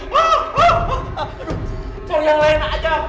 for yang lain aja